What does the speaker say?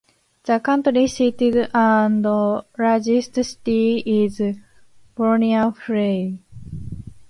The county seat and largest city is Bonners Ferry.